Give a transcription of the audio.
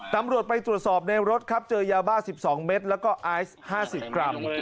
ตำรวจไปตรวจสอบในรถครับเจอยาบ้า๑๒เมตรแล้วก็ไอซ์๕๐กรัม